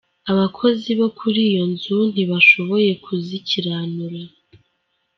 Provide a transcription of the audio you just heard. Abakozi bo kuri iyo nzu ntibashoboye kuzikiranura.